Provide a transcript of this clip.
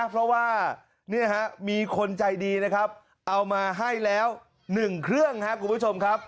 เพราะว่ามีคนใจดีนะครับเอามาให้แล้ว๑เครื่องครับคุณผู้ชมครับ